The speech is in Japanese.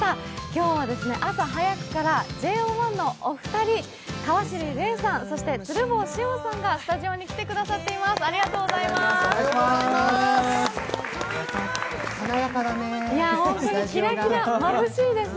今日は朝早くからＪＯ１のお二人、川尻蓮さん、そして鶴房汐恩さんがスタジオに来てくださっています、ありがとうございます。